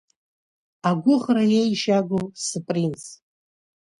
Агәӷра еижьагоу, спринц?